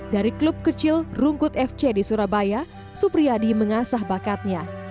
dari klub kecil rungkut fc di surabaya supriyadi mengasah bakatnya